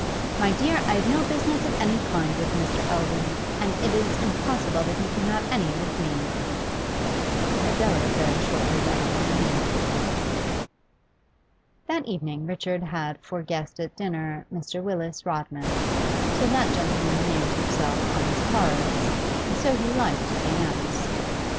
'My dear, I have no business of any kind with Mr. Eldon, and it is impossible that he can have any with me.' Adela very shortly went from the room. That evening Richard had for guest at dinner Mr. Willis Rodman; so that gentleman named himself on his cards, and so he liked to be announced.